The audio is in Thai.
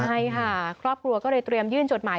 ใช่ค่ะครอบครัวก็เลยเตรียมยื่นจดหมาย